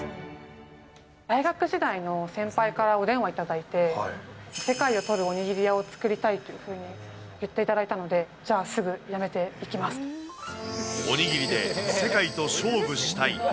大学時代の先輩からお電話いただいて、世界をとるおにぎり屋を作りたいっていうふうに言っていただいたので、じゃあ、おにぎりで世界と勝負したい。